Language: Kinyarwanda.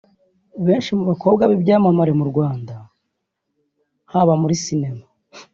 Benshi mu bakobwa b’ibyamamare mu Rwanda haba muri Sinema